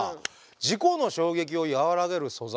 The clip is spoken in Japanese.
事故の衝撃をやわらげる素材